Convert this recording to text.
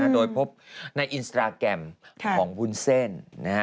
โดยพบในอินสตราแกรมของวุ้นเส้น